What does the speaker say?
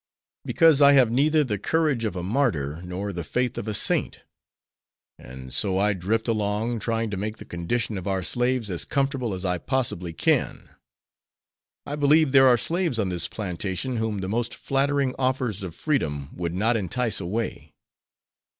"Because I have neither the courage of a martyr, nor the faith of a saint; and so I drift along, trying to make the condition of our slaves as comfortable as I possibly can. I believe there are slaves on this plantation whom the most flattering offers of freedom would not entice away."